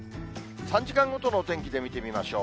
３時間ごとのお天気で見てみましょう。